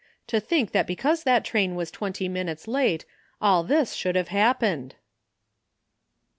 To think that because that train was twenty minutes late all this should have happened